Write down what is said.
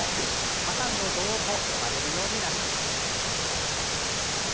タタンの女王と呼ばれるようになりました。